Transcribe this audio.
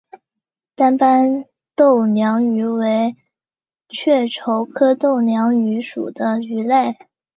单斑豆娘鱼为雀鲷科豆娘鱼属的鱼类。